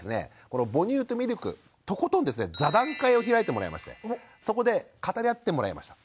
この母乳とミルクとことんですね座談会を開いてもらいましてそこで語り合ってもらいました。